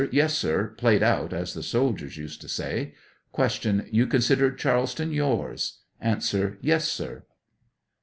Yes, sir; "played out," as the soldiers used to say. Q. You considered Charleston yours ? A. Yes, sir.